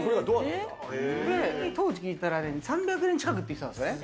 当時聞いたら３００年近くって言ってた。